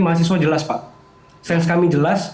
mahasiswa jelas pak fans kami jelas